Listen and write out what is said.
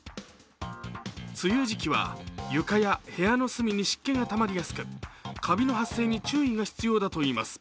梅雨時期は床や部屋の隅に湿気がたまりやすくカビの発生に注意が必要だといいます。